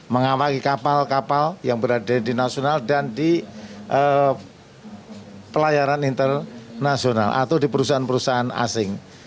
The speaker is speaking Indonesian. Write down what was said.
mengawaki kapal kapal yang berada di nasional dan di pelayaran internasional atau di perusahaan perusahaan asing